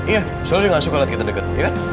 iya soalnya dia gak suka liat kita deket iya